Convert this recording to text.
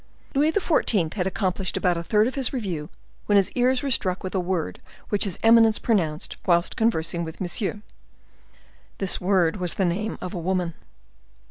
Louis XIV. had accomplished about a third of his review when his ears were struck with a word which his eminence pronounced whilst conversing with Monsieur. This word was the name of a woman.